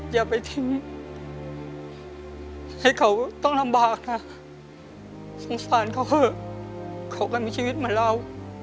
อย่าไปทิ้งให้เขาต้องลำบากนะสงสารเขาเถอะเขาก็มีชีวิตเหมือนเรา